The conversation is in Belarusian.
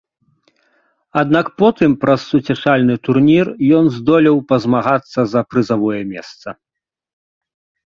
Аднак потым праз суцяшальны турнір ён здолеў пазмагацца за прызавое месца.